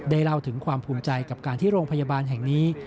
เล่าถึงความภูมิใจกับการที่โรงพยาบาลแห่งนี้